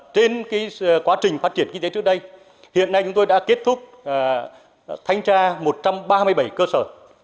trên quá trình phát triển kinh tế trước đây hiện nay chúng tôi đã kết thúc thanh tra một trăm ba mươi bảy cơ sở